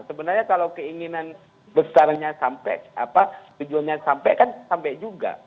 sebenarnya kalau keinginan besarnya sampai tujuannya sampai kan sampai juga